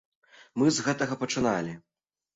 Мы з гэтага пачыналі!